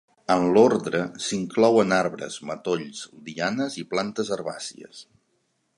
En l'ordre, s'inclouen arbres, matolls, lianes i plantes herbàcies.